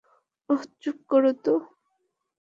ওহ, চুপ করো তো!